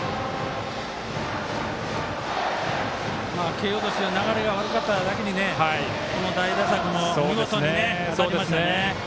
慶応としては流れが悪かっただけにこの代打策も見事にはまりましたね。